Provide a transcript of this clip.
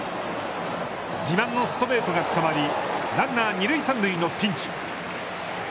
自慢のストレートがつかまりランナー２塁３塁のピンチ。